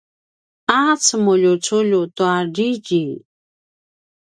a cemuljuculju tua riri